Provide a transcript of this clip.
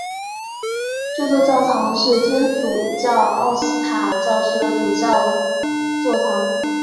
这座教堂是天主教奥斯塔教区的主教座堂。